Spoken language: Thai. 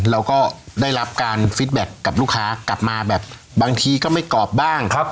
เราก็ได้รับการกับลูกค้ากลับมาแบบบางทีก็ไม่กรอบบ้างครับ